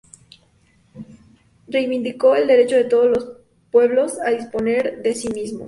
Reivindicó el derecho de todos los pueblos a disponer de sí mismos.